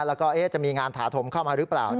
แล้วก็จะมีงานถาถมเข้ามาหรือเปล่า